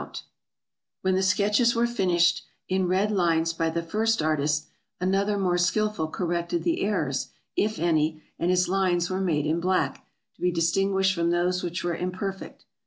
366 TRAVELERS AND EXPLORERS When the sketches were finished in red lines by the first artist, another more skillful corrected the errors, if any, and his lines were made in black, to be distinguished from those which were imperfect.